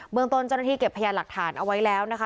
เมืองต้นเจ้าหน้าที่เก็บพยานหลักฐานเอาไว้แล้วนะคะ